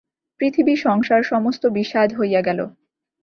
পৃথিবী সংসার সমস্ত বিস্বাদ হইয়া গেল।